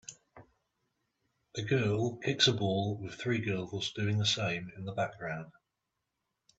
A girl kicks a ball with three girls doing the same in the background.